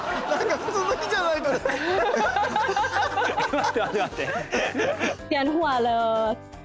待って待って待って。